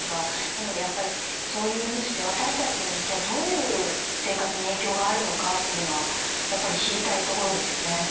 なので、やっぱりそういうニュースって私たちにじゃあ、どういう生活に影響があるのかっていうのはやっぱり知りたいところですよね。